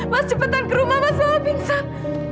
mas cepetan ke rumah mas mama pingsan